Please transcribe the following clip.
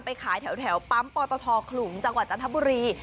ไปขายแถวปั๊มปตทขลุงจังหวัดจันทบุรี